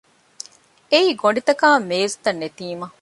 އެއީ ގޮނޑިތަކާއި މޭޒުތައް ނެތީމަ